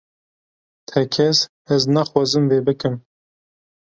Tekez ez naxwazim vê bikim